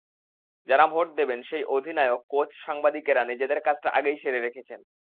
যাঁরা ভোট দেবেন সেই অধিনায়ক, কোচ, সাংবাদিকেরা নিজেদের কাজটা আগেই সেরে রেখেছেন।